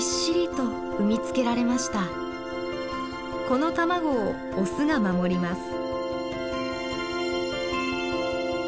この卵をオスが守ります。